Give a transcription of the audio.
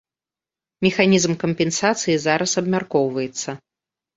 Механізм кампенсацыі зараз абмяркоўваецца.